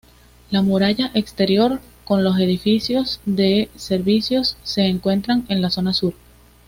La muralla exterior con los edificios de servicios se encuentra en la zona sur.